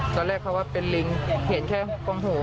ตอนแรกเขาว่าเป็นลิงเห็นแค่กงโห